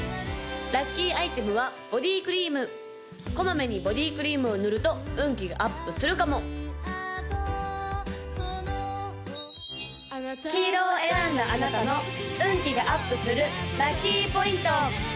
・ラッキーアイテムはボディクリームこまめにボディクリームを塗ると運気がアップするかも黄色を選んだあなたの運気がアップするラッキーポイント！